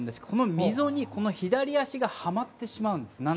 この溝に左足がはまってしまうんです。